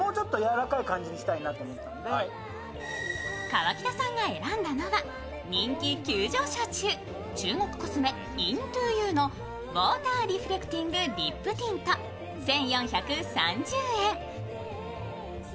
河北さんが選んだのは人気急上昇中、中国コスメ、ＩＮＴＯＵのウォーターリフレクティングリップティント１４３０円。